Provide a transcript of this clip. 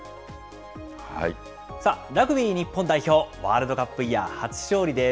さあ、ラグビー日本代表、ワールドカップイヤー初勝利です。